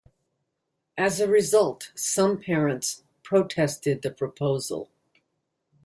As a result, some parents protested the proposal.